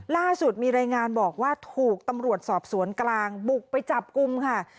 ล่าสุดมีรายงานบอกว่าถูกตำรวจสอบสวนกลางบุกไปจับกลุ่มค่ะ